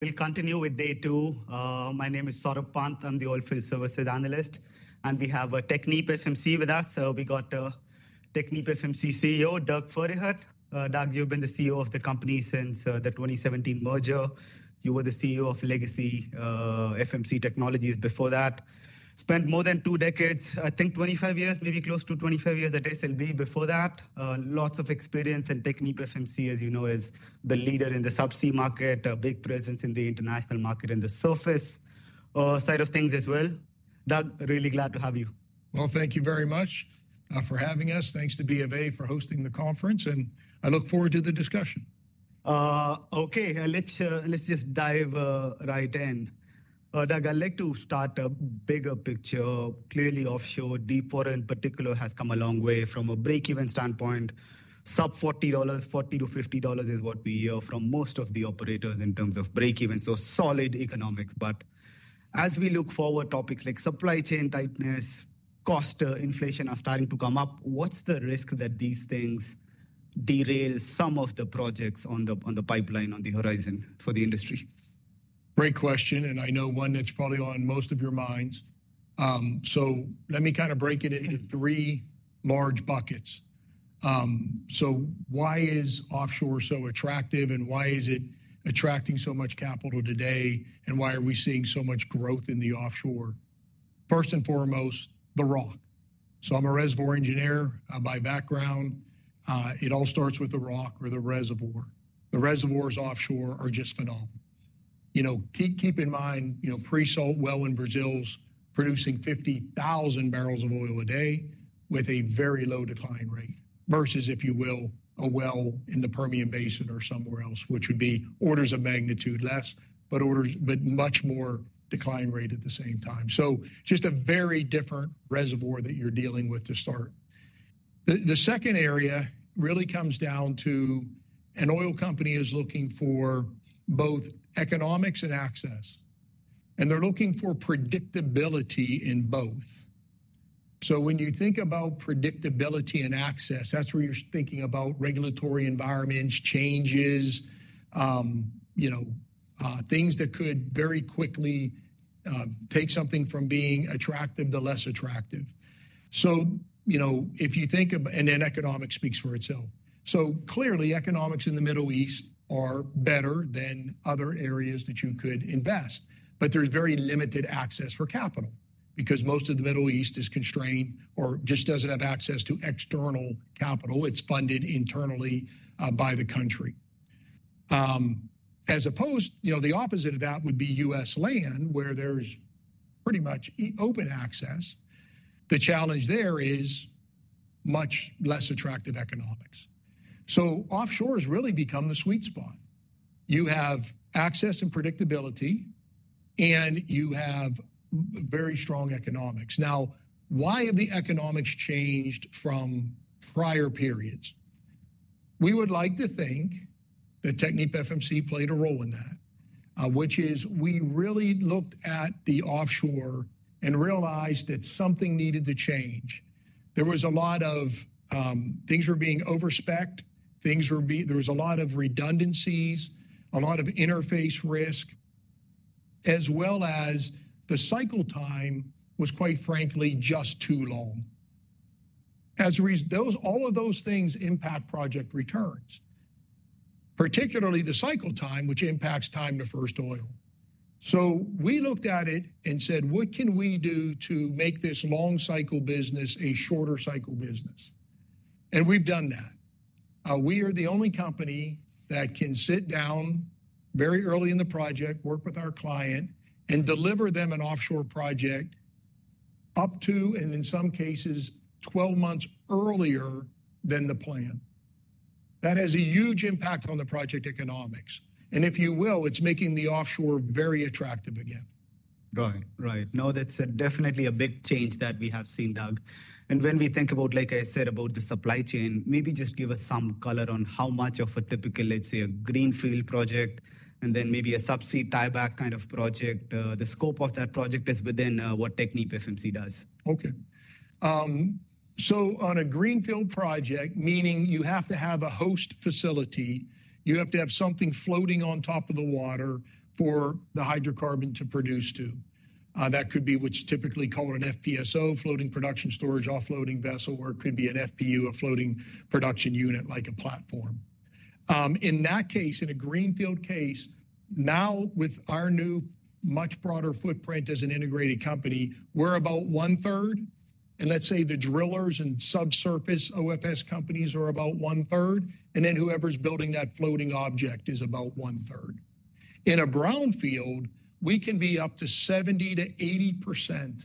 We'll continue with day two. My name is Saurabh Pant. I'm the Oilfield Services Analyst, and we have TechnipFMC with us. So we got TechnipFMC CEO Doug Pferdehirt. Doug, you've been the CEO of the company since the 2017 merger. You were the CEO of Legacy FMC Technologies before that. Spent more than two decades, I think 25 years, maybe close to 25 years at SLB before that. Lots of experience in TechnipFMC, as you know, is the leader in the subsea market, a big presence in the international market and the surface side of things as well. Doug, really glad to have you. Thank you very much for having us. Thanks to B of A for hosting the conference, and I look forward to the discussion. Okay, let's just dive right in. Doug, I'd like to start with a bigger picture. Clearly, offshore deepwater in particular has come a long way from a break-even standpoint. Sub-$40, $40-$50 is what we hear from most of the operators in terms of break-even. So solid economics. But as we look forward, topics like supply chain tightness, cost inflation are starting to come up. What's the risk that these things derail some of the projects on the pipeline, on the horizon for the industry? Great question. And I know one that's probably on most of your minds. So let me kind of break it into three large buckets. So why is offshore so attractive, and why is it attracting so much capital today, and why are we seeing so much growth in the offshore? First and foremost, the rock. So I'm a reservoir engineer by background. It all starts with the rock or the reservoir. The reservoirs offshore are just phenomenal. Keep in mind, pre-salt well in Brazil is producing 50,000 barrels of oil a day with a very low decline rate versus, if you will, a well in the Permian Basin or somewhere else, which would be orders of magnitude less, but much more decline rate at the same time. So just a very different reservoir that you're dealing with to start. The second area really comes down to an oil company is looking for both economics and access, and they're looking for predictability in both. So when you think about predictability and access, that's where you're thinking about regulatory environments, changes, things that could very quickly take something from being attractive to less attractive. So if you think of, and then economics speaks for itself. So clearly, economics in the Middle East are better than other areas that you could invest, but there's very limited access for capital because most of the Middle East is constrained or just doesn't have access to external capital. It's funded internally by the country. As opposed, the opposite of that would be U.S. land where there's pretty much open access. The challenge there is much less attractive economics. So offshore has really become the sweet spot. You have access and predictability, and you have very strong economics. Now, why have the economics changed from prior periods? We would like to think that TechnipFMC played a role in that, which is we really looked at the offshore and realized that something needed to change. There was a lot of things were being over-spec'd. There was a lot of redundancies, a lot of interface risk, as well as the cycle time was, quite frankly, just too long. As a result, all of those things impact project returns, particularly the cycle time, which impacts time to first oil. So we looked at it and said, "What can we do to make this long cycle business a shorter cycle business?" and we've done that. We are the only company that can sit down very early in the project, work with our client, and deliver them an offshore project up to, and in some cases, 12 months earlier than the plan. That has a huge impact on the project economics, and if you will, it's making the offshore very attractive again. Right. Right. No, that's definitely a big change that we have seen, Doug. And when we think about, like I said, about the supply chain, maybe just give us some color on how much of a typical, let's say, a greenfield project and then maybe a subsea tieback kind of project. The scope of that project is within what TechnipFMC does. Okay. So on a greenfield project, meaning you have to have a host facility, you have to have something floating on top of the water for the hydrocarbon to produce to. That could be what's typically called an FPSO, floating production storage offloading vessel, or it could be an FPU, a floating production unit like a platform. In that case, in a greenfield case, now with our new much broader footprint as an integrated company, we're about one-third, and let's say the drillers and subsurface OFS companies are about one-third, and then whoever's building that floating object is about one-third. In a brownfield, we can be up to 70%-80%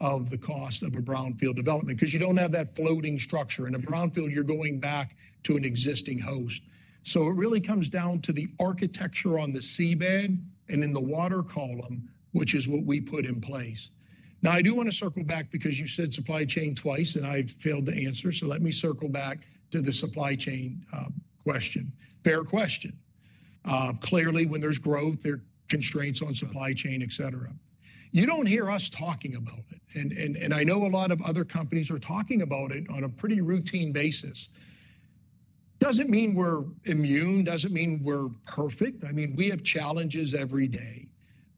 of the cost of a brownfield development because you don't have that floating structure. In a brownfield, you're going back to an existing host. So it really comes down to the architecture on the seabed and in the water column, which is what we put in place. Now, I do want to circle back because you said supply chain twice, and I failed to answer. So let me circle back to the supply chain question. Fair question. Clearly, when there's growth, there are constraints on supply chain, etc. You don't hear us talking about it. And I know a lot of other companies are talking about it on a pretty routine basis. Doesn't mean we're immune. Doesn't mean we're perfect. I mean, we have challenges every day.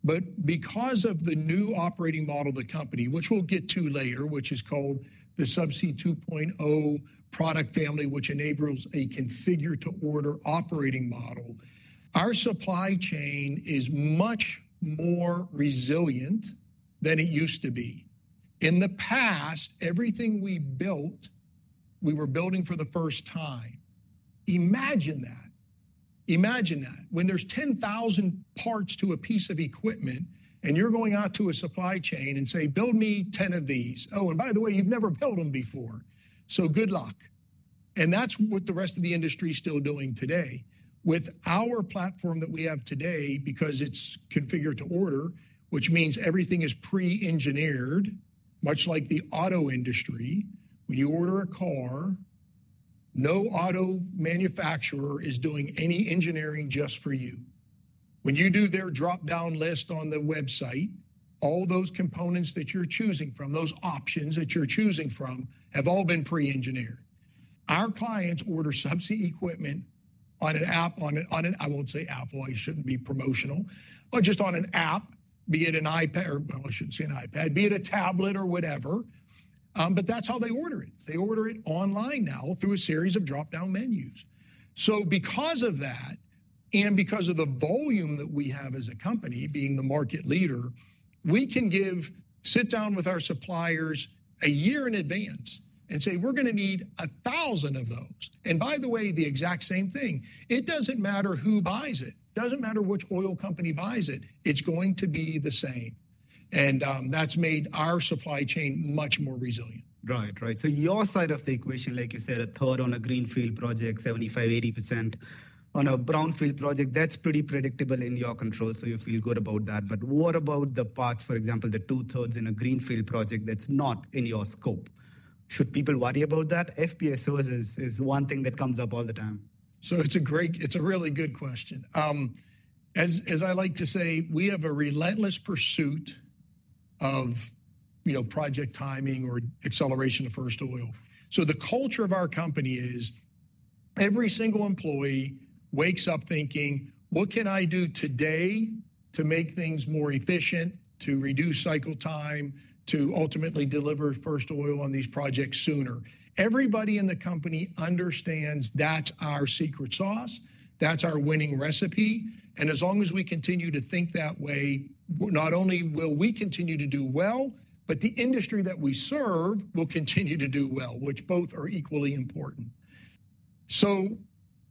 But because of the new operating model of the company, which we'll get to later, which is called the Subsea 2.0 product family, which enables a configure-to-order operating model, our supply chain is much more resilient than it used to be. In the past, everything we built, we were building for the first time. Imagine that. Imagine that. When there's 10,000 parts to a piece of equipment and you're going out to a supply chain and say, "Build me 10 of these. Oh, and by the way, you've never built them before. So good luck, and that's what the rest of the industry is still doing today." With our platform that we have today, because it's configure-to-order, which means everything is pre-engineered, much like the auto industry. When you order a car, no auto manufacturer is doing any engineering just for you. When you do their drop-down list on the website, all those components that you're choosing from, those options that you're choosing from have all been pre-engineered. Our clients order subsea equipment on an app. I won't say Apple. I shouldn't be promotional, but just on an app, be it an iPad, or I shouldn't say an iPad, be it a tablet or whatever. But that's how they order it. They order it online now through a series of drop-down menus. So because of that and because of the volume that we have as a company being the market leader, we can sit down with our suppliers a year in advance and say, "We're going to need 1,000 of those." And by the way, the exact same thing. It doesn't matter who buys it. It doesn't matter which oil company buys it. It's going to be the same. And that's made our supply chain much more resilient. Right. Right. So your side of the equation, like you said, a third on a greenfield project, 75%-80%. On a brownfield project, that's pretty predictable in your control. So you feel good about that. But what about the parts, for example, the two-thirds in a greenfield project that's not in your scope? Should people worry about that? FPSOs is one thing that comes up all the time. So it's a really good question. As I like to say, we have a relentless pursuit of project timing or acceleration of first oil. So the culture of our company is every single employee wakes up thinking, "What can I do today to make things more efficient, to reduce cycle time, to ultimately deliver first oil on these projects sooner?" Everybody in the company understands that's our secret sauce. That's our winning recipe. And as long as we continue to think that way, not only will we continue to do well, but the industry that we serve will continue to do well, which both are equally important. So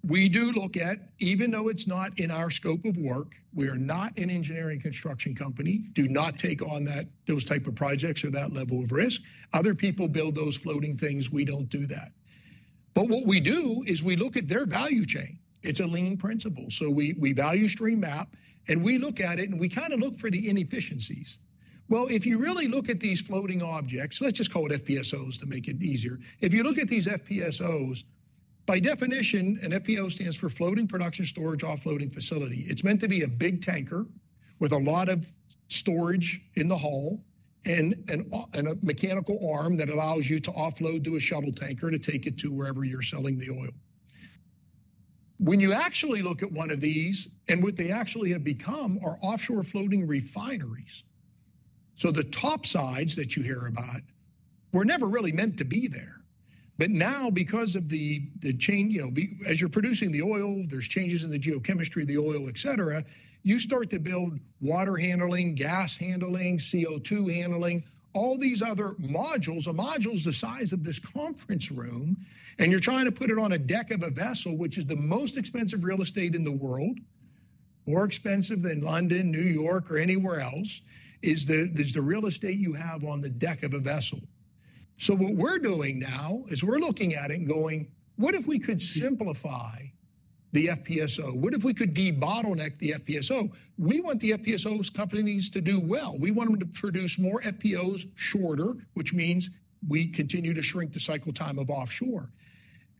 we do look at, even though it's not in our scope of work, we are not an engineering construction company. Do not take on those types of projects or that level of risk. Other people build those floating things. We don't do that. But what we do is we look at their value chain. It's a lean principle. So we value stream map, and we look at it, and we kind of look for the inefficiencies. Well, if you really look at these floating objects, let's just call it FPSOs to make it easier. If you look at these FPSOs, by definition, an FPSO stands for Floating Production Storage Offloading facility. It's meant to be a big tanker with a lot of storage in the hull and a mechanical arm that allows you to offload to a shuttle tanker to take it to wherever you're selling the oil. When you actually look at one of these, and what they actually have become are offshore floating refineries. So the topsides that you hear about were never really meant to be there. But now, because of the change, as you're producing the oil, there's changes in the geochemistry of the oil, etc., you start to build water handling, gas handling, CO2 handling, all these other modules. The module's the size of this conference room, and you're trying to put it on a deck of a vessel, which is the most expensive real estate in the world, more expensive than London, New York, or anywhere else, is the real estate you have on the deck of a vessel. So what we're doing now is we're looking at it and going, "What if we could simplify the FPSO? What if we could de-bottleneck the FPSO?" We want the FPSOs companies to do well. We want them to produce more FPSOs shorter, which means we continue to shrink the cycle time of offshore.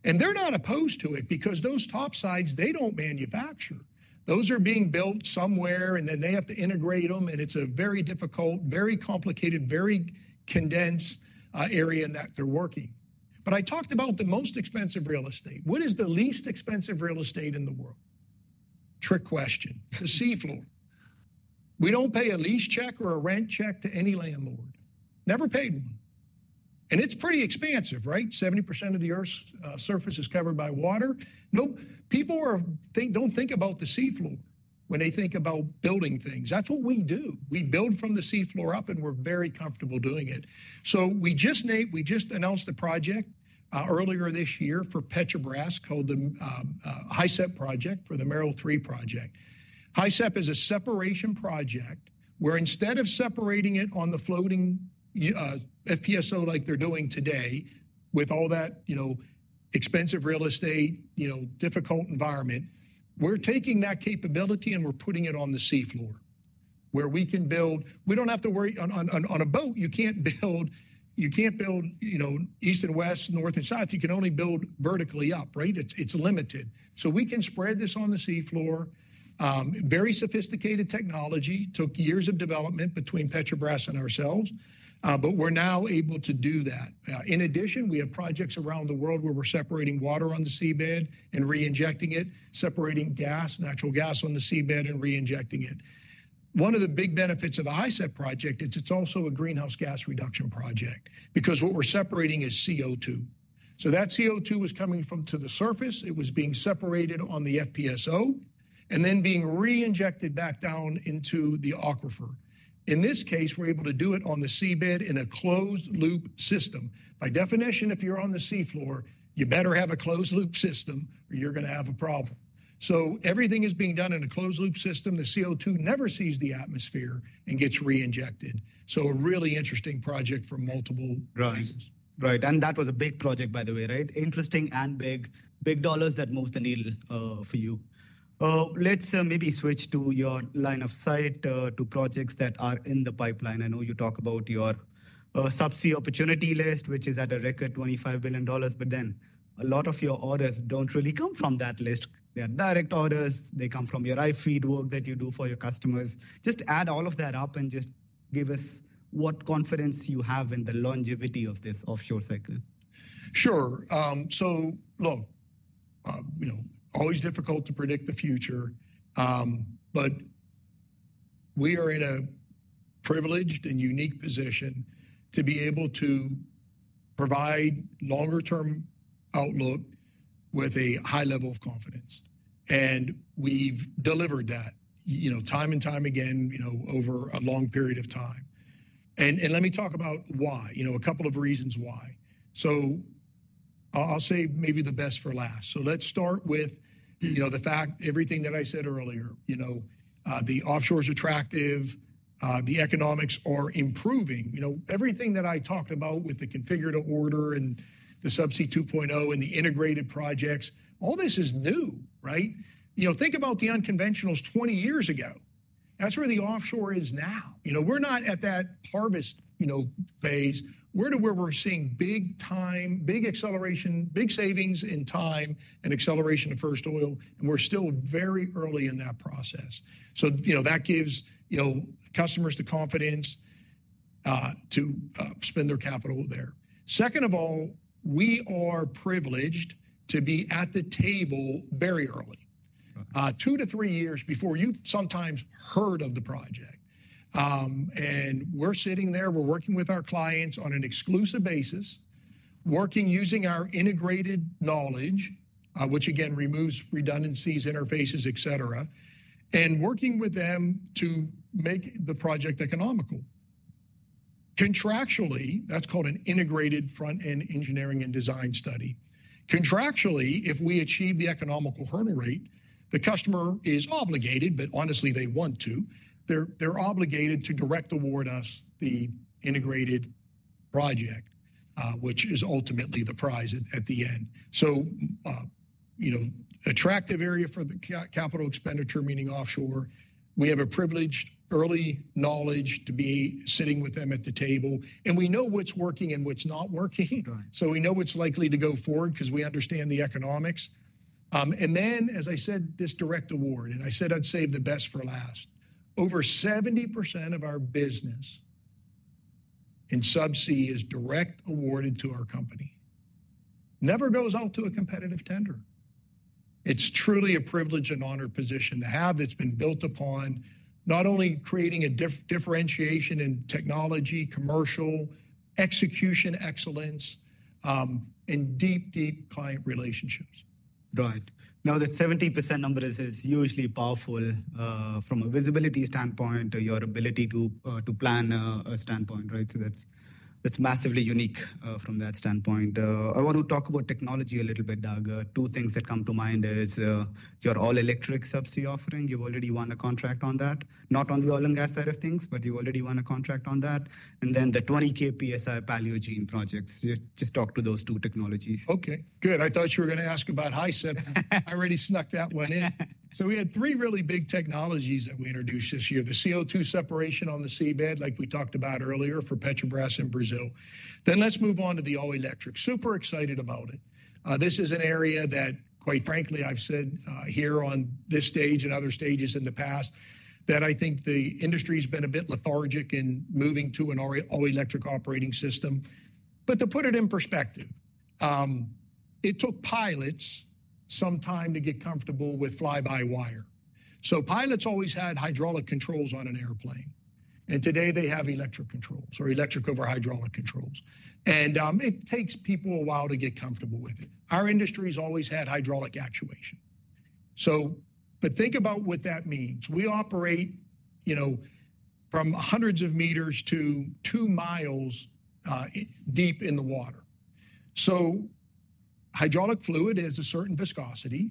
And they're not opposed to it because those topsides, they don't manufacture. Those are being built somewhere, and then they have to integrate them, and it's a very difficult, very complicated, very condensed area in that they're working, but I talked about the most expensive real estate. What is the least expensive real estate in the world? Trick question. The seafloor. We don't pay a lease check or a rent check to any landlord. Never paid one, and it's pretty expansive, right? 70% of the Earth's surface is covered by water. Nope. People don't think about the seafloor when they think about building things. That's what we do. We build from the seafloor up, and we're very comfortable doing it, so we just announced a project earlier this year for Petrobras called the HISEP project for the Mero 3 project. HISEP is a separation project where instead of separating it on the floating FPSO like they're doing today with all that expensive real estate, difficult environment, we're taking that capability and we're putting it on the seafloor where we can build. We don't have to worry. On a boat, you can't build east and west, north and south. You can only build vertically up, right? It's limited. So we can spread this on the seafloor. Very sophisticated technology. Took years of development between Petrobras and ourselves, but we're now able to do that. In addition, we have projects around the world where we're separating water on the seabed and reinjecting it, separating natural gas on the seabed and reinjecting it. One of the big benefits of the HISEP project is it's also a greenhouse gas reduction project because what we're separating is CO2. So that CO2 was coming from to the surface. It was being separated on the FPSO and then being reinjected back down into the aquifer. In this case, we're able to do it on the seabed in a closed-loop system. By definition, if you're on the seafloor, you better have a closed-loop system or you're going to have a problem. So everything is being done in a closed-loop system. The CO2 never sees the atmosphere and gets reinjected. So a really interesting project for multiple reasons. Right. And that was a big project, by the way, right? Interesting and big. Big dollars that move the needle for you. Let's maybe switch to your line of sight to projects that are in the pipeline. I know you talk about your subsea opportunity list, which is at a record $25 billion, but then a lot of your orders don't really come from that list. They are direct orders. They come from your iFEED work that you do for your customers. Just add all of that up and just give us what confidence you have in the longevity of this offshore cycle. Sure. So look, always difficult to predict the future, but we are in a privileged and unique position to be able to provide longer-term outlook with a high level of confidence. And we've delivered that time and time again over a long period of time. And let me talk about why. A couple of reasons why. So I'll say maybe the best for last. So let's start with the fact, everything that I said earlier, the offshore is attractive, the economics are improving. Everything that I talked about with the configure-to-order and the Subsea 2.0 and the integrated projects, all this is new, right? Think about the unconventionals 20 years ago. That's where the offshore is now. We're not at that harvest phase. We're to where we're seeing big time, big acceleration, big savings in time and acceleration of first oil, and we're still very early in that process. So that gives customers the confidence to spend their capital there. Second of all, we are privileged to be at the table very early, two to three years before you've sometimes heard of the project, and we're sitting there. We're working with our clients on an exclusive basis, working using our integrated knowledge, which again removes redundancies, interfaces, etc., and working with them to make the project economical. Contractually, that's called an integrated front-end engineering and design study. Contractually, if we achieve the economical hurdle rate, the customer is obligated, but honestly, they want to. They're obligated to direct toward us the integrated project, which is ultimately the prize at the end, so attractive area for the capital expenditure, meaning offshore. We have a privileged early knowledge to be sitting with them at the table, and we know what's working and what's not working. We know what's likely to go forward because we understand the economics. And then, as I said, this direct award. And I said I'd save the best for last. Over 70% of our business in subsea is direct awarded to our company. Never goes out to a competitive tender. It's truly a privilege and honor position to have that's been built upon not only creating a differentiation in technology, commercial execution excellence, and deep, deep client relationships. Right. Now, that 70% number is hugely powerful from a visibility standpoint, your ability to plan a standpoint, right? So that's massively unique from that standpoint. I want to talk about technology a little bit, Doug. Two things that come to mind is your all-electric subsea offering. You've already won a contract on that. Not on the oil and gas side of things, but you've already won a contract on that. And then the 20K PSI Paleogene projects. Just talk to those two technologies. Okay. Good. I thought you were going to ask about HISEP. I already snuck that one in. So we had three really big technologies that we introduced this year. The CO2 separation on the seabed, like we talked about earlier for Petrobras in Brazil. Then let's move on to the all-electric. Super excited about it. This is an area that, quite frankly, I've said here on this stage and other stages in the past that I think the industry has been a bit lethargic in moving to an all-electric operating system. But to put it in perspective, it took pilots some time to get comfortable with fly-by-wire. So pilots always had hydraulic controls on an airplane. And today they have electric controls or electric over hydraulic controls. And it takes people a while to get comfortable with it. Our industry has always had hydraulic actuation. But think about what that means. We operate from hundreds of meters to two miles deep in the water. So hydraulic fluid has a certain viscosity.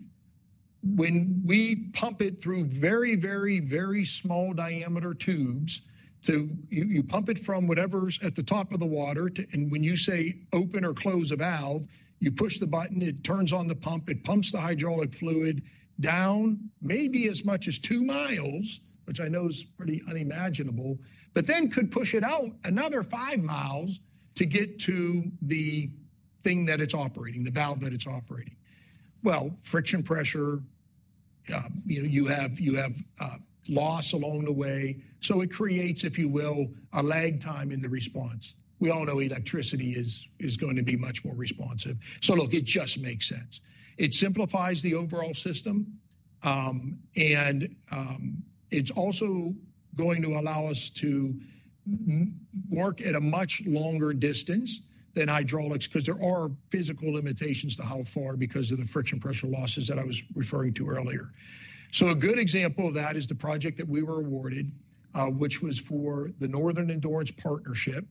When we pump it through very, very, very small diameter tubes, you pump it from whatever's at the top of the water. And when you say open or close a valve, you push the button, it turns on the pump, it pumps the hydraulic fluid down maybe as much as two miles, which I know is pretty unimaginable, but then could push it out another five miles to get to the thing that it's operating, the valve that it's operating. Well, friction pressure, you have loss along the way. So it creates, if you will, a lag time in the response. We all know electricity is going to be much more responsive. So look, it just makes sense. It simplifies the overall system. And it's also going to allow us to work at a much longer distance than hydraulics because there are physical limitations to how far because of the friction pressure losses that I was referring to earlier. So a good example of that is the project that we were awarded, which was for the Northern Endurance Partnership,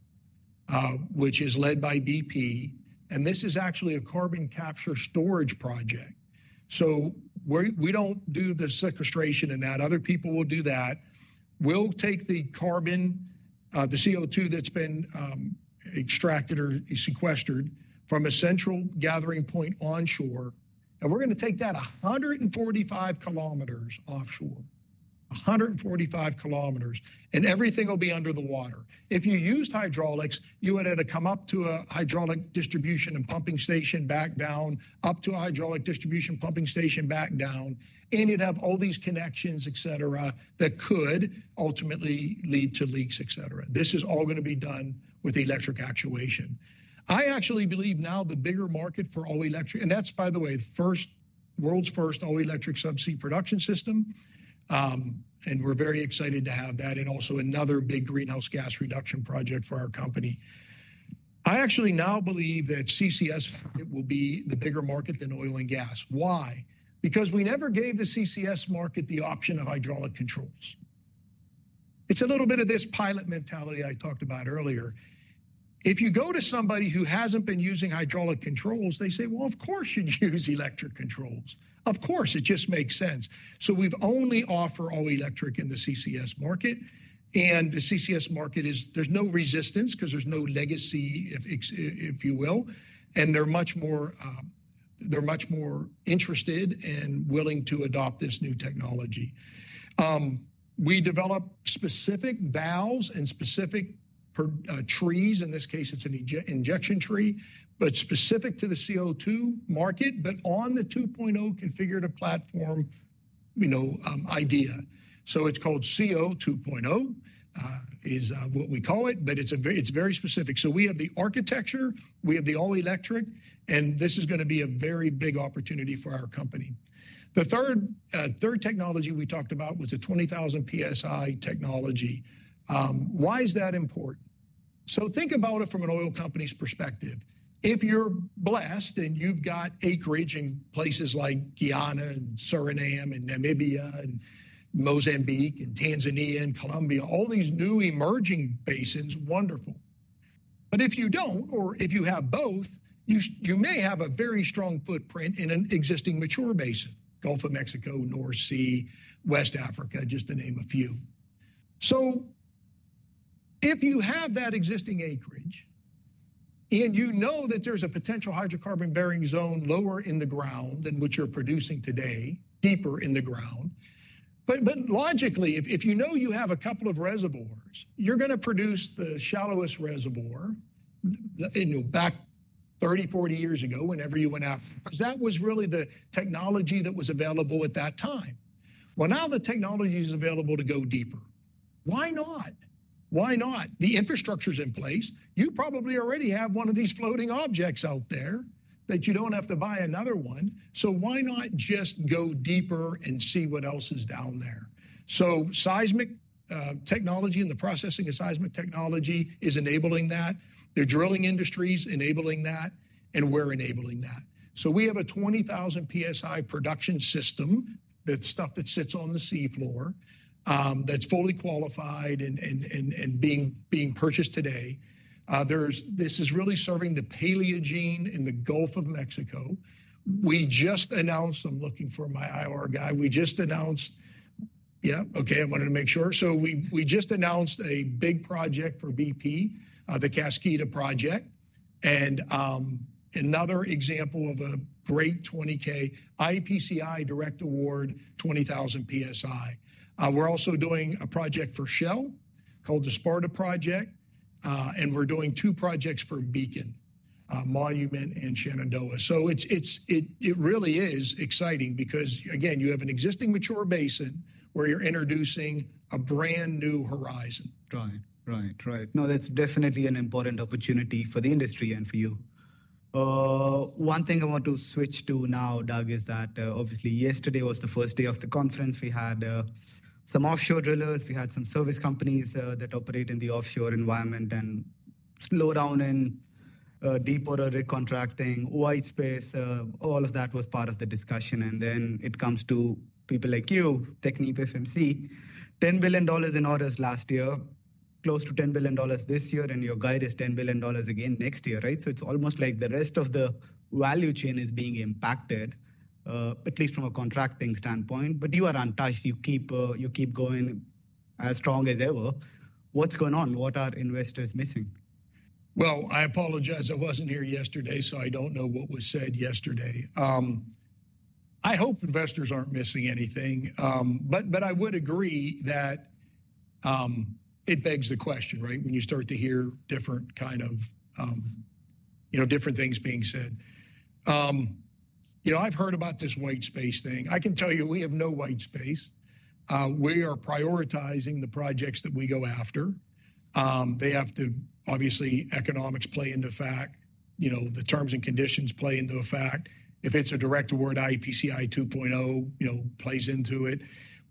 which is led by BP. And this is actually a carbon capture storage project. So we don't do the sequestration in that. Other people will do that. We'll take the carbon, the CO2 that's been extracted or sequestered from a central gathering point onshore. And we're going to take that 145 kilometers offshore. 145 kilometers. And everything will be under the water. If you used hydraulics, you would have to come up to a hydraulic distribution and pumping station back down, up to a hydraulic distribution pumping station back down, and you'd have all these connections, etc., that could ultimately lead to leaks, etc. This is all going to be done with electric actuation. I actually believe now the bigger market for all-electric, and that's, by the way, the world's first all-electric subsea production system, and we're very excited to have that and also another big greenhouse gas reduction project for our company. I actually now believe that CCS will be the bigger market than oil and gas. Why? Because we never gave the CCS market the option of hydraulic controls. It's a little bit of this pilot mentality I talked about earlier. If you go to somebody who hasn't been using hydraulic controls, they say, "Well, of course you'd use electric controls. Of course. It just makes sense." So we've only offered all-electric in the CCS market. And the CCS market, there's no resistance because there's no legacy, if you will. And they're much more interested and willing to adopt this new technology. We develop specific valves and specific trees. In this case, it's an injection tree, but specific to the CO2 market, but on the 2.0 configured platform idea. So it's called CO 2.0 is what we call it, but it's very specific. So we have the architecture, we have the all-electric, and this is going to be a very big opportunity for our company. The third technology we talked about was the 20,000 PSI technology. Why is that important? So think about it from an oil company's perspective. If you're blessed and you've got acreage in places like Guyana and Suriname and Namibia and Mozambique and Tanzania and Colombia, all these new emerging basins, wonderful. But if you don't, or if you have both, you may have a very strong footprint in an existing mature basin: Gulf of Mexico, North Sea, West Africa, just to name a few. So if you have that existing acreage and you know that there's a potential hydrocarbon bearing zone lower in the ground than what you're producing today, deeper in the ground, but logically, if you know you have a couple of reservoirs, you're going to produce the shallowest reservoir back 30, 40 years ago whenever you went out. Because that was really the technology that was available at that time. Now the technology is available to go deeper. Why not? Why not? The infrastructure is in place. You probably already have one of these floating objects out there that you don't have to buy another one. So why not just go deeper and see what else is down there? So seismic technology and the processing of seismic technology is enabling that. The drilling industry is enabling that, and we're enabling that. So we have a 20,000 PSI production system. That's stuff that sits on the seafloor that's fully qualified and being purchased today. This is really serving the Paleogene in the Gulf of Mexico. We just announced. I'm looking for my IR guy. We just announced. Yeah? Okay. I wanted to make sure. So we just announced a big project for BP, the Kaskida project, and another example of a great 20K iEPCI direct award, 20,000 PSI. We're also doing a project for Shell called the Sparta project, and we're doing two projects for Beacon, Monument, and Shenandoah. So it really is exciting because, again, you have an existing mature basin where you're introducing a brand new horizon. Right. Right. Right. No, that's definitely an important opportunity for the industry and for you. One thing I want to switch to now, Doug, is that obviously yesterday was the first day of the conference. We had some offshore drillers. We had some service companies that operate in the offshore environment and slow down in deep water rig contracting, white space. All of that was part of the discussion. And then it comes to people like you, TechnipFMC. $10 billion in orders last year, close to $10 billion this year, and your guide is $10 billion again next year, right? So it's almost like the rest of the value chain is being impacted, at least from a contracting standpoint. But you are untouched. You keep going as strong as ever. What's going on? What are investors missing? I apologize. I wasn't here yesterday, so I don't know what was said yesterday. I hope investors aren't missing anything. But I would agree that it begs the question, right, when you start to hear different kind of things being said. I've heard about this white space thing. I can tell you we have no white space. We are prioritizing the projects that we go after. They have to, obviously, economics play into effect. The terms and conditions play into effect. If it's a direct award, iEPCI 2.0 plays into it.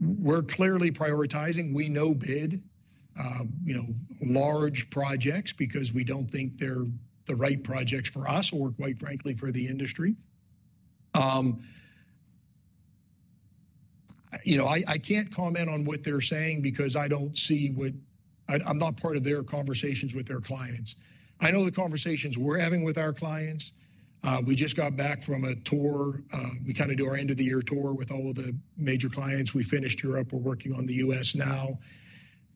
We're clearly prioritizing. We no-bid large projects because we don't think they're the right projects for us or, quite frankly, for the industry. I can't comment on what they're saying because I don't know what they're doing. I'm not part of their conversations with their clients. I know the conversations we're having with our clients. We just got back from a tour. We kind of do our end-of-the-year tour with all of the major clients. We finished Europe. We're working on the U.S. now.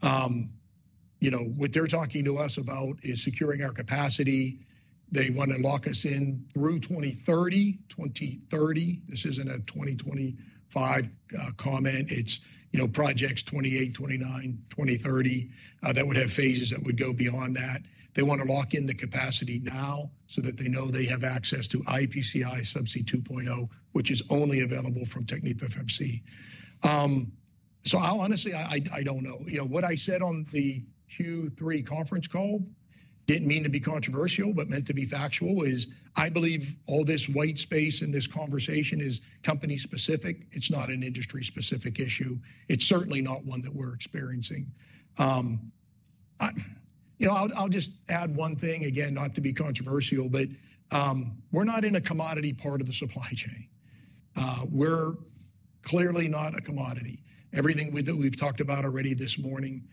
What they're talking to us about is securing our capacity. They want to lock us in through 2030. This isn't a 2025 comment. It's projects 28, 29, 2030 that would have phases that would go beyond that. They want to lock in the capacity now so that they know they have access to iEPCI Subsea 2.0, which is only available from TechnipFMC. So honestly, I don't know. What I said on the Q3 conference call, didn't mean to be controversial, but meant to be factual, is I believe all this white space in this conversation is company-specific. It's not an industry-specific issue. It's certainly not one that we're experiencing. I'll just add one thing, again, not to be controversial, but we're not in a commodity part of the supply chain. We're clearly not a commodity. Everything that we've talked about already this morning,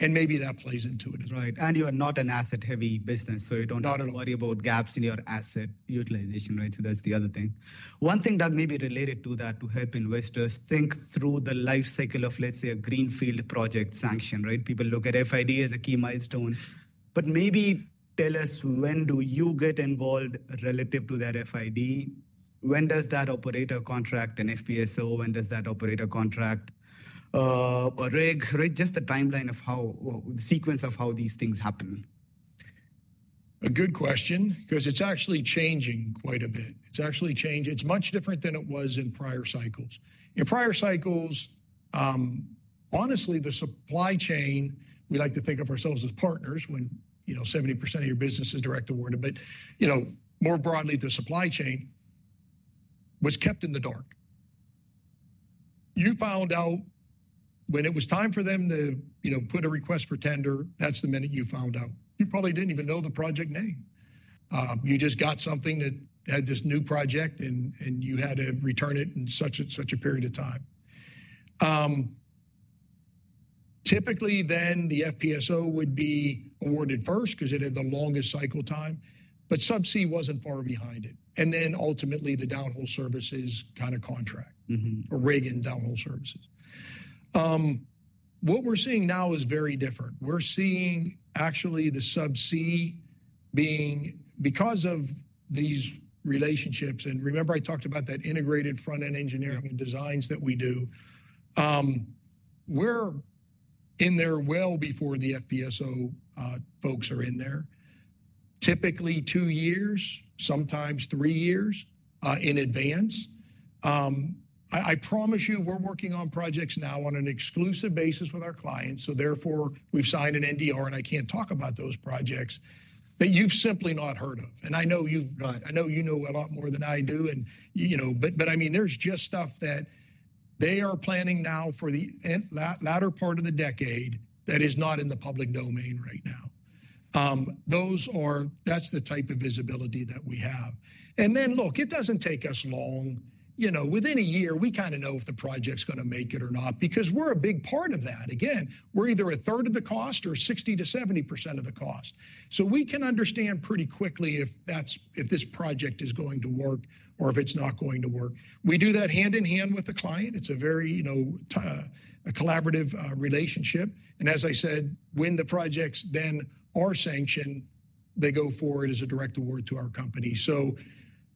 and maybe that plays into it as well. Right. And you are not an asset-heavy business, so you don't have to worry about gaps in your asset utilization, right? So that's the other thing. One thing, Doug, maybe related to that, to help investors think through the life cycle of, let's say, a greenfield project sanction, right? People look at FID as a key milestone, but maybe tell us when do you get involved relative to that FID? When does that operator contract an FPSO? When does that operator contract a rig? Just the timeline of how the sequence of how these things happen. A good question because it's actually changing quite a bit. It's actually changing. It's much different than it was in prior cycles. In prior cycles, honestly, the supply chain, we like to think of ourselves as partners when 70% of your business is direct awarded, but more broadly, the supply chain was kept in the dark. You found out when it was time for them to put a request for tender, that's the minute you found out. You probably didn't even know the project name. You just got something that had this new project, and you had to return it in such a period of time. Typically, then the FPSO would be awarded first because it had the longest cycle time, but subsea wasn't far behind it, and then ultimately, the downhole services kind of contract or rig and downhole services. What we're seeing now is very different. We're seeing actually the subsea being, because of these relationships, and remember I talked about that integrated front-end engineering and designs that we do. We're in there well before the FPSO folks are in there. Typically two years, sometimes three years in advance. I promise you we're working on projects now on an exclusive basis with our clients. So therefore, we've signed an NDA, and I can't talk about those projects that you've simply not heard of. And I know you know a lot more than I do, but I mean, there's just stuff that they are planning now for the latter part of the decade that is not in the public domain right now. That's the type of visibility that we have. And then look, it doesn't take us long. Within a year, we kind of know if the project's going to make it or not because we're a big part of that. Again, we're either a third of the cost or 60%-70% of the cost. So we can understand pretty quickly if this project is going to work or if it's not going to work. We do that hand in hand with the client. It's a very collaborative relationship. And as I said, when the projects then are sanctioned, they go forward as a direct award to our company. So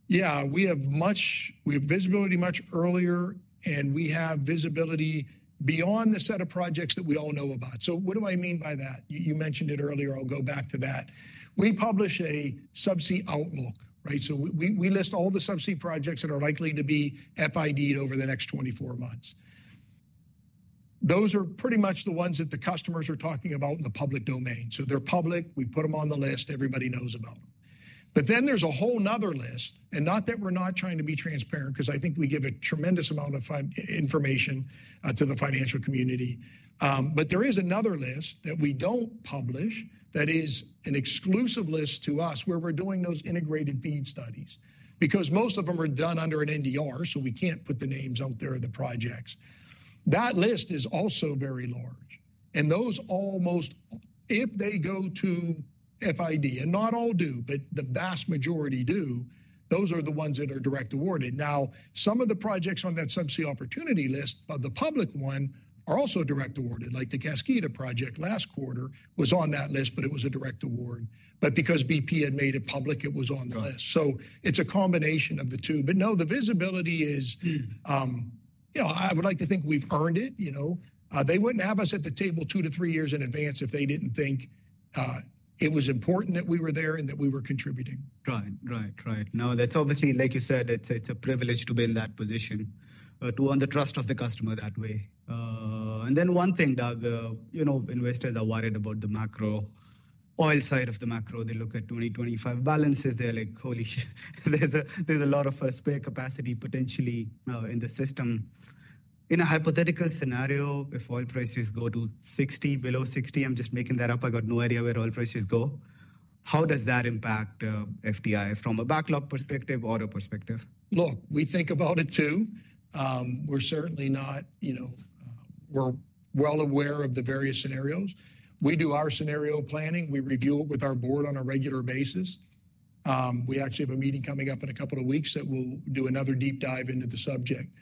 yeah, we have visibility much earlier, and we have visibility beyond the set of projects that we all know about. So what do I mean by that? You mentioned it earlier. I'll go back to that. We publish a subsea outlook, right? So we list all the subsea projects that are likely to be FID'd over the next 24 months. Those are pretty much the ones that the customers are talking about in the public domain. So they're public. We put them on the list. Everybody knows about them. But then there's a whole nother list, and not that we're not trying to be transparent because I think we give a tremendous amount of information to the financial community, but there is another list that we don't publish that is an exclusive list to us where we're doing those integrated feed studies because most of them are done under an NDR, so we can't put the names out there of the projects. That list is also very large. And those almost, if they go to FID, and not all do, but the vast majority do, those are the ones that are direct awarded. Now, some of the projects on that subsea opportunity list, but the public one are also direct awarded, like the Kaskida project last quarter was on that list, but it was a direct award. But because BP had made it public, it was on the list. So it's a combination of the two. But no, the visibility is I would like to think we've earned it. They wouldn't have us at the table two to three years in advance if they didn't think it was important that we were there and that we were contributing. Right. Right. Right. No, that's obviously, like you said, it's a privilege to be in that position, to earn the trust of the customer that way. And then one thing, Doug, investors are worried about the macro oil side of the macro. They look at 2025 balances. They're like, "Holy shit. There's a lot of spare capacity potentially in the system." In a hypothetical scenario, if oil prices go to $60, below $60, I'm just making that up. I've got no idea where oil prices go. How does that impact FID from a backlog perspective or a perspective? Look, we think about it too. We're certainly not, we're well aware of the various scenarios. We do our scenario planning. We review it with our board on a regular basis. We actually have a meeting coming up in a couple of weeks that will do another deep dive into the subject.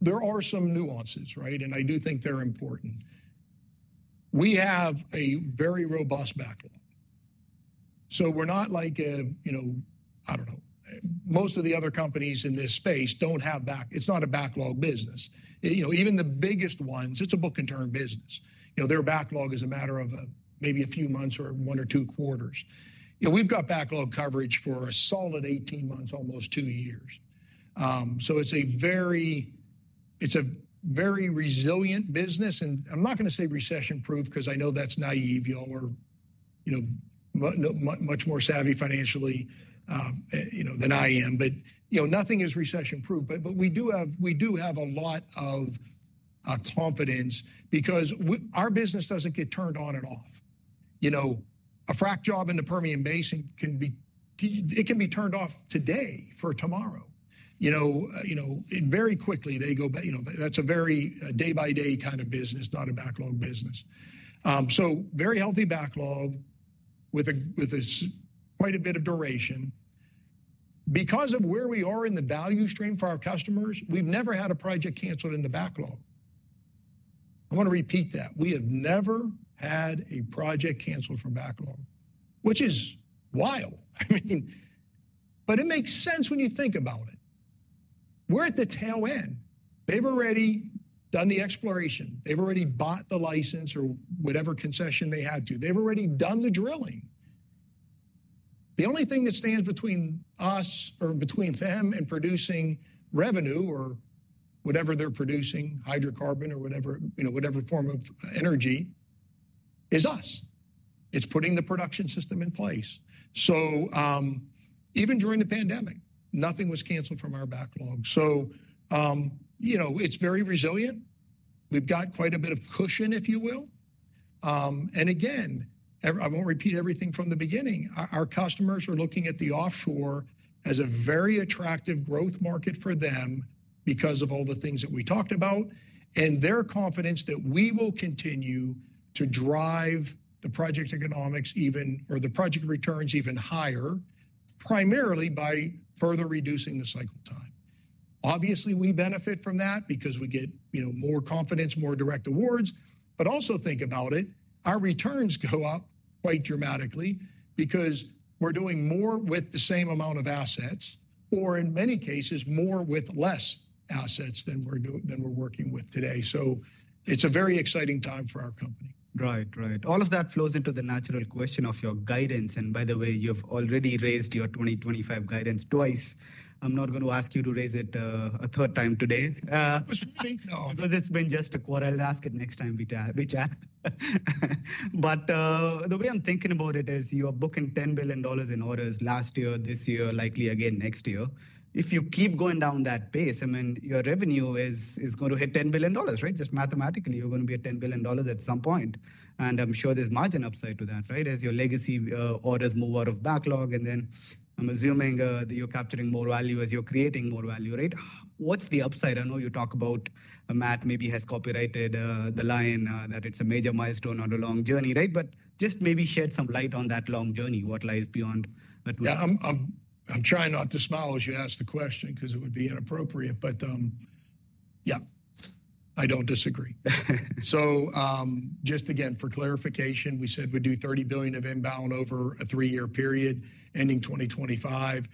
There are some nuances, right? And I do think they're important. We have a very robust backlog. So we're not like a, I don't know, most of the other companies in this space don't have backlog. It's not a backlog business. Even the biggest ones, it's a book-and-turn business. Their backlog is a matter of maybe a few months or one or two quarters. We've got backlog coverage for a solid 18 months, almost two years. So it's a very resilient business. And I'm not going to say recession-proof because I know that's naive. You all are much more savvy financially than I am, but nothing is recession-proof, but we do have a lot of confidence because our business doesn't get turned on and off. A frac job in the Permian Basin, it can be turned off today for tomorrow. Very quickly, they go back. That's a very day-by-day kind of business, not a backlog business, so very healthy backlog with quite a bit of duration. Because of where we are in the value stream for our customers, we've never had a project canceled in the backlog. I want to repeat that. We have never had a project canceled from backlog, which is wild. I mean, but it makes sense when you think about it. We're at the tail end. They've already done the exploration. They've already bought the license or whatever concession they had to. They've already done the drilling. The only thing that stands between us or between them and producing revenue or whatever they're producing, hydrocarbon or whatever form of energy, is us. It's putting the production system in place. So even during the pandemic, nothing was canceled from our backlog. So it's very resilient. We've got quite a bit of cushion, if you will. And again, I won't repeat everything from the beginning. Our customers are looking at the offshore as a very attractive growth market for them because of all the things that we talked about and their confidence that we will continue to drive the project economics or the project returns even higher primarily by further reducing the cycle time. Obviously, we benefit from that because we get more confidence, more direct awards. But also think about it, our returns go up quite dramatically because we're doing more with the same amount of assets or, in many cases, more with less assets than we're working with today. So it's a very exciting time for our company. Right. Right. All of that flows into the natural question of your guidance. And by the way, you've already raised your 2025 guidance twice. I'm not going to ask you to raise it a third time today. Because you think no. Because it's been just a quarter. I'll ask it next time we chat. But the way I'm thinking about it is you are booking $10 billion in orders last year, this year, likely again next year. If you keep going down that pace, I mean, your revenue is going to hit $10 billion, right? Just mathematically, you're going to be at $10 billion at some point. And I'm sure there's margin upside to that, right, as your legacy orders move out of backlog. And then I'm assuming you're capturing more value as you're creating more value, right? What's the upside? I know you talk about Matt maybe has copyrighted the line that it's a major milestone on a long journey, right? But just maybe shed some light on that long journey, what lies beyond. Yeah. I'm trying not to smile as you ask the question because it would be inappropriate, but yeah, I don't disagree. So just again, for clarification, we said we'd do $30 billion of inbound over a three-year period ending 2025.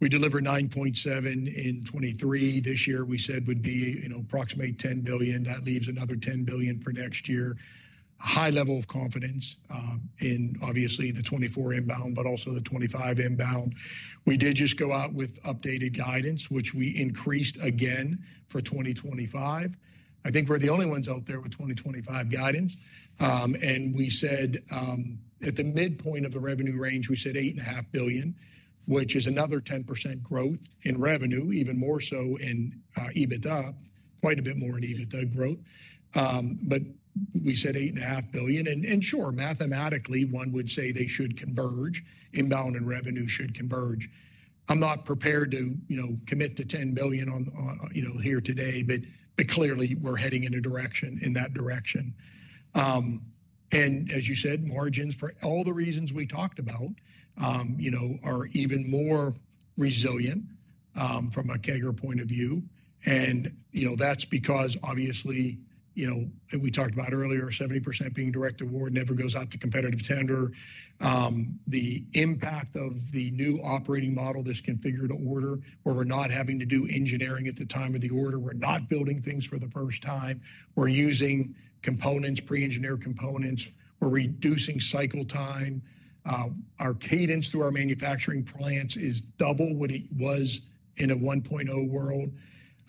We delivered $9.7 billion in 2023. This year, we said would be approximately $10 billion. That leaves another $10 billion for next year. High level of confidence in obviously the 2024 inbound, but also the 2025 inbound. We did just go out with updated guidance, which we increased again for 2025. I think we're the only ones out there with 2025 guidance. And we said at the midpoint of the revenue range, we said $8.5 billion, which is another 10% growth in revenue, even more so in EBITDA, quite a bit more in EBITDA growth. But we said $8.5 billion. And sure, mathematically, one would say they should converge. Inbound and revenue should converge. I'm not prepared to commit to $10 billion here today, but clearly, we're heading in that direction, and as you said, margins for all the reasons we talked about are even more resilient from a legacy point of view, and that's because, obviously, we talked about earlier, 70% being direct award never goes out to competitive tender. The impact of the new operating model that's configured to order where we're not having to do engineering at the time of the order. We're not building things for the first time. We're using components, pre-engineered components. We're reducing cycle time. Our cadence through our manufacturing plants is double what it was in a 1.0 world.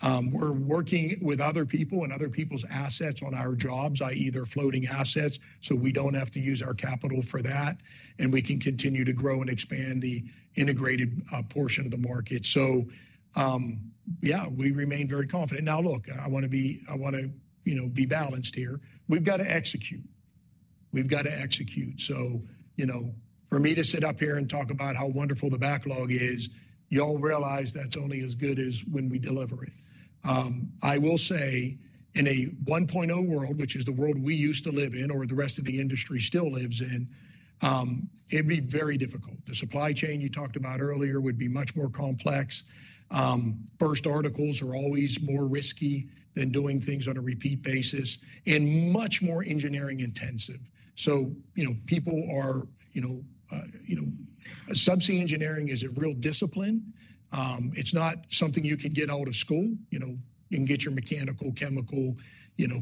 We're working with other people and other people's assets on our jobs, i.e., their floating assets. So we don't have to use our capital for that. We can continue to grow and expand the integrated portion of the market. Yeah, we remain very confident. Now, look, I want to be balanced here. We've got to execute. We've got to execute. For me to sit up here and talk about how wonderful the backlog is, y'all realize that's only as good as when we deliver it. I will say in a 1.0 world, which is the world we used to live in or the rest of the industry still lives in, it'd be very difficult. The supply chain you talked about earlier would be much more complex. First articles are always more risky than doing things on a repeat basis and much more engineering intensive. So, people, subsea engineering is a real discipline. It's not something you can get out of school. You can get your mechanical, chemical,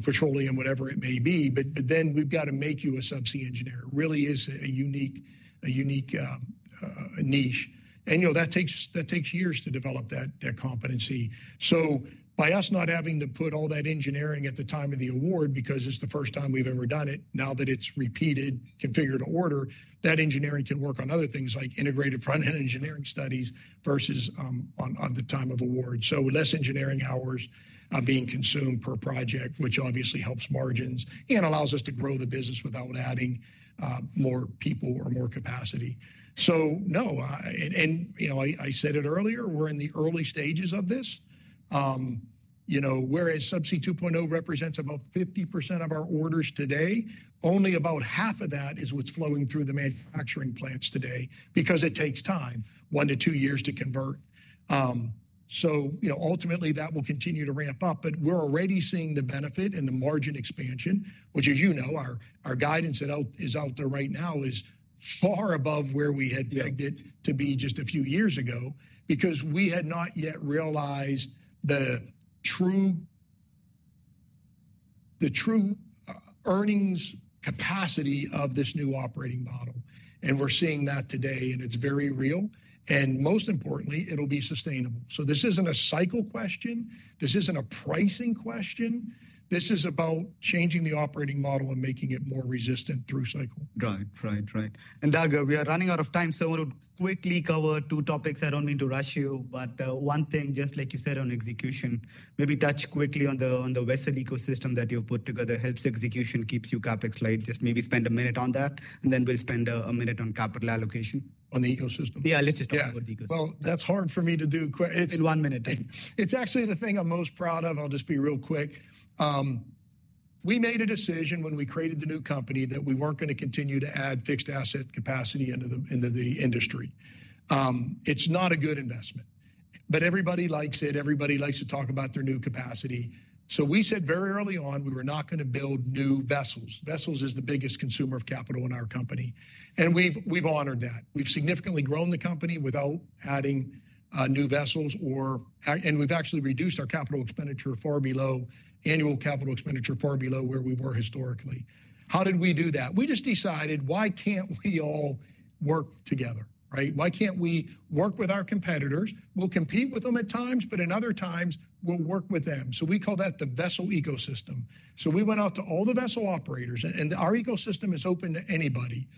petroleum, whatever it may be. But then we've got to make you a subsea engineer. It really is a unique niche. And that takes years to develop that competency. So by us not having to put all that engineering at the time of the award because it's the first time we've ever done it, now that it's repeated, configure-to-order, that engineering can work on other things like integrated front-end engineering studies versus on the time of award. So less engineering hours are being consumed per project, which obviously helps margins and allows us to grow the business without adding more people or more capacity. So no. And I said it earlier, we're in the early stages of this. Whereas Subsea 2.0 represents about 50% of our orders today, only about half of that is what's flowing through the manufacturing plants today because it takes time, one to two years to convert. So ultimately, that will continue to ramp up. But we're already seeing the benefit and the margin expansion, which, as you know, our guidance is out there right now, is far above where we had pegged it to be just a few years ago because we had not yet realized the true earnings capacity of this new operating model. And we're seeing that today, and it's very real. And most importantly, it'll be sustainable. So this isn't a cycle question. This isn't a pricing question. This is about changing the operating model and making it more resistant through cycle. Right. Right. Right. And Doug, we are running out of time. So I want to quickly cover two topics. I don't mean to rush you, but one thing, just like you said on execution, maybe touch quickly on the vessel ecosystem that you've put together helps execution, keeps you CapEx light. Just maybe spend a minute on that, and then we'll spend a minute on capital allocation. On the ecosystem? Yeah. Let's just talk about the ecosystem. That's hard for me to do. In one minute time. It's actually the thing I'm most proud of. I'll just be real quick. We made a decision when we created the new company that we weren't going to continue to add fixed asset capacity into the industry. It's not a good investment, but everybody likes it. Everybody likes to talk about their new capacity. We said very early on we were not going to build new vessels. Vessels is the biggest consumer of capital in our company. We've honored that. We've significantly grown the company without adding new vessels, and we've actually reduced our capital expenditure far below annual capital expenditure far below where we were historically. How did we do that? We just decided, "Why can't we all work together?" Right? "Why can't we work with our competitors? We'll compete with them at times, but in other times, we'll work with them. So we call that the vessel ecosystem. We went out to all the vessel operators, and our ecosystem is open to anybody.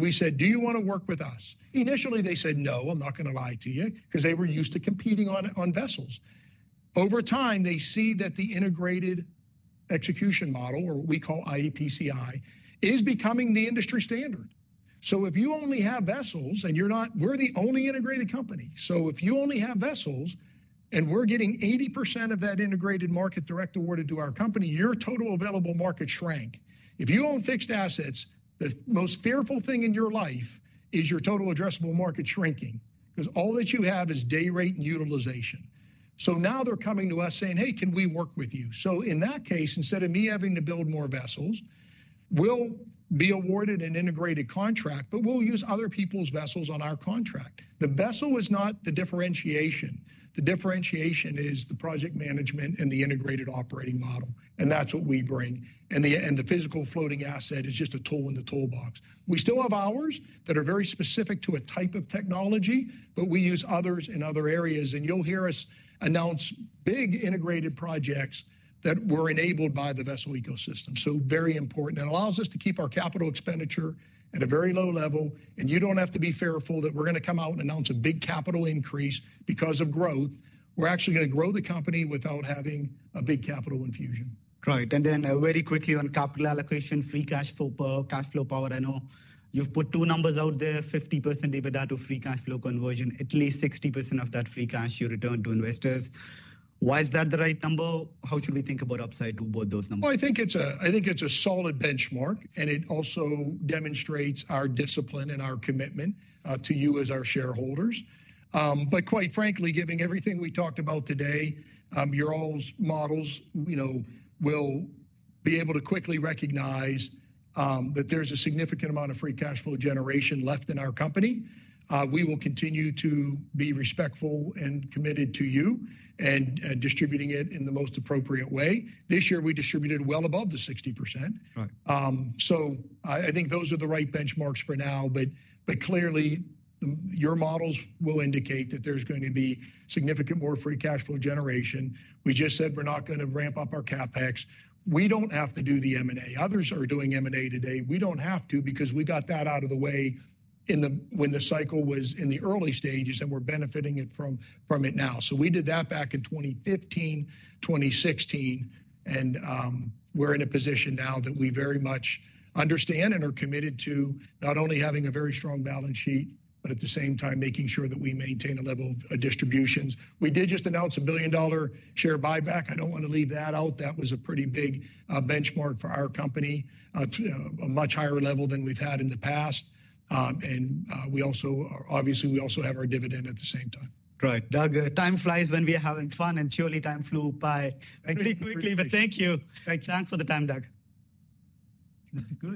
We said, "Do you want to work with us?" Initially, they said, "No, I'm not going to lie to you," because they were used to competing on vessels. Over time, they see that the integrated execution model, or what we call iEPCI, is becoming the industry standard. If you only have vessels and you're not, we're the only integrated company. If you only have vessels and we're getting 80% of that integrated market direct awarded to our company, your total available market shrank. If you own fixed assets, the most fearful thing in your life is your total addressable market shrinking because all that you have is day rate and utilization. So now they're coming to us saying, "Hey, can we work with you?" So in that case, instead of me having to build more vessels, we'll be awarded an integrated contract, but we'll use other people's vessels on our contract. The vessel is not the differentiation. The differentiation is the project management and the integrated operating model. And that's what we bring. And the physical floating asset is just a tool in the toolbox. We still have hours that are very specific to a type of technology, but we use others in other areas. And you'll hear us announce big integrated projects that were enabled by the vessel ecosystem. So very important. It allows us to keep our capital expenditure at a very low level, and you don't have to be fearful that we're going to come out and announce a big capital increase because of growth. We're actually going to grow the company without having a big capital infusion. Right, and then very quickly on capital allocation, free cash flow power. I know you've put two numbers out there, 50% EBITDA to free cash flow conversion, at least 60% of that free cash you return to investors. Why is that the right number? How should we think about upside to both those numbers? I think it's a solid benchmark, and it also demonstrates our discipline and our commitment to you as our shareholders. But quite frankly, given everything we talked about today, y'all's models will be able to quickly recognize that there's a significant amount of free cash flow generation left in our company. We will continue to be respectful and committed to you and distributing it in the most appropriate way. This year, we distributed well above the 60%. So I think those are the right benchmarks for now. But clearly, your models will indicate that there's going to be significant more free cash flow generation. We just said we're not going to ramp up our CapEx. We don't have to do the M&A. Others are doing M&A today. We don't have to because we got that out of the way when the cycle was in the early stages, and we're benefiting from it now, so we did that back in 2015, 2016, and we're in a position now that we very much understand and are committed to not only having a very strong balance sheet, but at the same time, making sure that we maintain a level of distributions. We did just announce a $1 billion share buyback. I don't want to leave that out. That was a pretty big benchmark for our company, a much higher level than we've had in the past, and obviously, we also have our dividend at the same time. Right. Doug, time flies when we're having fun, and surely time flew by pretty quickly. But thank you. Thanks for the time, Doug. This is good.